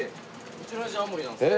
うちのおやじ青森なんですよ。